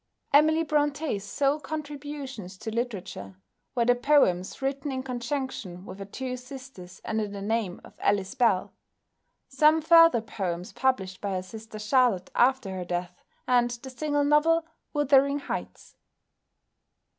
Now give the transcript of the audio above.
Emily Brontë's sole contributions to literature were the poems written in conjunction with her two sisters under the name of Ellis Bell, some further poems published by her sister Charlotte after her death, and the single novel "Wuthering Heights."